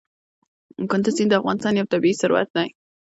کندز سیند د افغانستان یو طبعي ثروت دی.